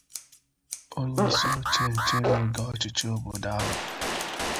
onyeisioche nchere oge ọchịchị obodo ahụ